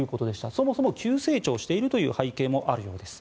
そもそも急成長しているという背景もあるようです。